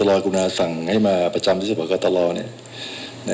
วัตรอร์กุณฑาสั่งให้มาประจำที่จะบอกวัตรอร์เนี่ย